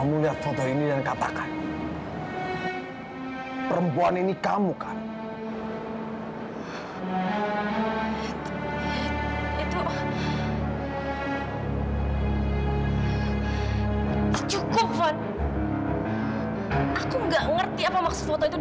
lagi lagi yang mau nikah waktu itu